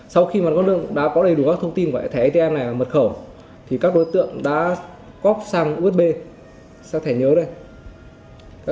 sau khi các đối tượng đã có đầy đủ thông tin của thẻ atm này mật khẩu thì các đối tượng đã cóp sang usb sang thẻ nhớ đây